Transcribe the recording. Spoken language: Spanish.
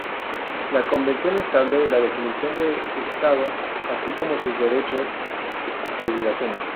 La convención establece la definición de Estado, así como sus derechos y obligaciones.